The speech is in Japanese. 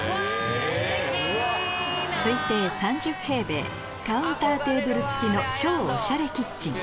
推定３０平米カウンターテーブル付きの超オシャレキッチン